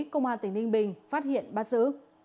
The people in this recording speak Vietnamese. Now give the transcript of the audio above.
công an tỉnh ninh bình phát hiện bắt giữ